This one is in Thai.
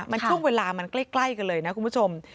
มันช่วงเวลามันใกล้กันเลยนะคุณผู้ชม